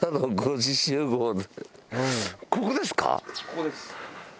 ここです。